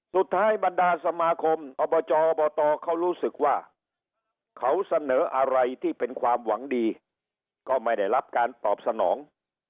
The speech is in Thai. บรรดาสมาคมอบจอบตเขารู้สึกว่าเขาเสนออะไรที่เป็นความหวังดีก็ไม่ได้รับการตอบสนอง